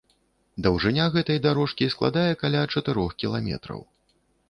Даўжыня гэтай дарожкі складае каля чатырох кіламетраў.